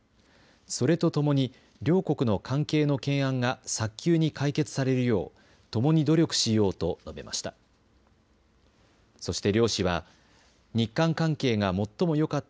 それとともに両国の関係の懸案が早急に解決されるようともに努力しようと述べました。